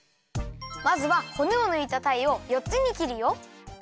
まずはほねをぬいたたいをよっつに切るよ。